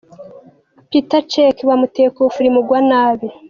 Petr Czech bamuteye coup franc imugwa nabi.